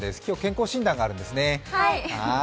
今日、健康診断があるんですね。